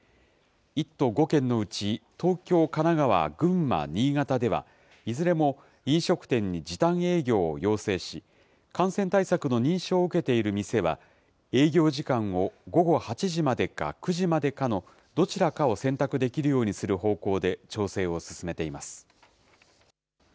１都５県のうち、東京、神奈川、群馬、新潟では、いずれも飲食店に時短営業を要請し、感染対策の認証を受けている店は、営業時間を午後８時までか９時までかのどちらかを選択できる方向で調整を進めています。